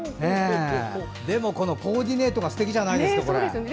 でも、コーディネートがすてきじゃないですか。